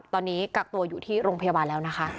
ตัวอยู่ที่โรงพยาบาลแล้วนะคะ